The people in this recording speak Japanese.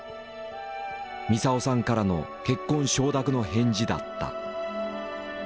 みさをさんからの結婚承諾の返事だった。